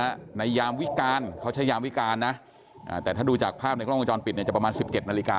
ในยามวิการเขาใช้ยามวิการนะอ่าแต่ถ้าดูจากภาพในกล้องวงจรปิดเนี่ยจะประมาณสิบเจ็ดนาฬิกา